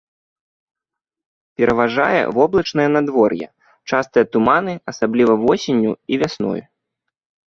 Пераважае воблачнае надвор'е, частыя туманы, асабліва восенню і вясной.